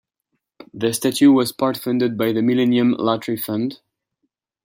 The statue was part-funded by the millennium lottery fund.